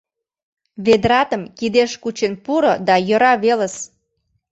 Ведратым кидеш кучен пуро да йӧра велыс.